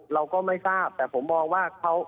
เราก็ไม่ทราบแต่ผมมองว่าเขา